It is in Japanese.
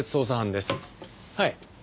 はい。